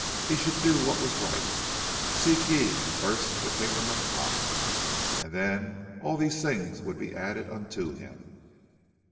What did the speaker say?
He should do what was right ("seek ye first the Kingdom of God"), and then all these things would be added unto him.